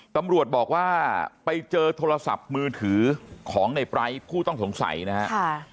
ตำรวจบอกว่าไปเจอโทรศัพท์มือถือของในไร้ผู้ต้องสงสัยนะครับ